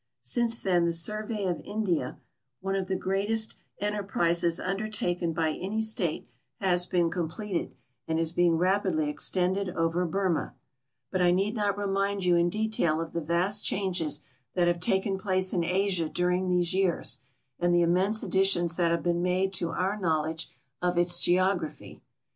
Since then the survey of India, one of the greatest THE UNMAPPED AREAS ON THE EARTirs SURFACE 253 enterprises undertaken by any State, has been comjileted, and is being rapidly extended over Burma. Ikit I need not reniin«l you in detail of the vast changes that have taken place in Asia dur ing these years and the immense additions that have been made to our knowledge of its geography.